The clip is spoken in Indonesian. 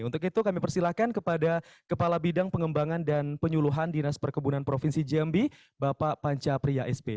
untuk itu kami persilahkan kepada kepala bidang pengembangan dan penyuluhan dinas perkebunan provinsi jambi bapak panca priya sp